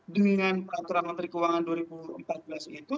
dengan peraturan menteri keuangan dua ribu empat belas itu